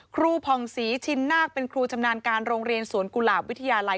ผ่องศรีชินนาคเป็นครูชำนาญการโรงเรียนสวนกุหลาบวิทยาลัย